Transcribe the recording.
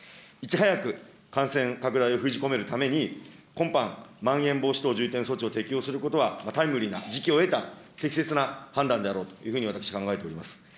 いち早く感染拡大を封じ込めるために、今般、まん延防止等重点措置を適用することはタイムリーな、時機を得た適切な判断であろうと、私、考えております。